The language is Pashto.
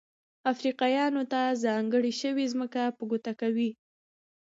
افریقایانو ته ځانګړې شوې ځمکه په ګوته کوي.